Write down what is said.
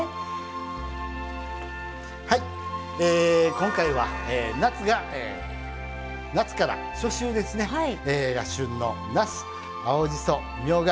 今回は、夏から初秋が旬のなす、青じそ、みょうが。